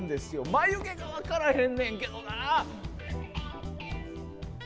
眉毛が分からへんねんけどな。